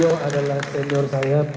bukalah pintu hati